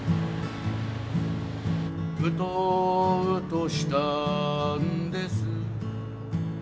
「うとうとしたんです」